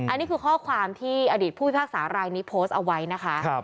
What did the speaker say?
อันนี้คือข้อความที่อดีตผู้พิพากษารายนี้โพสต์เอาไว้นะคะ